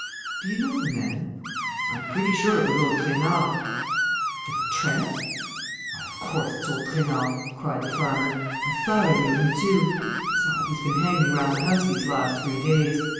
"Do you know the man?" "I'm pretty sure it was old Trainard." "The tramp? Why, of course it's old Trainard!" cried the farmer. "I thought I knew him too.... Besides, he's been hanging round the house these last three days.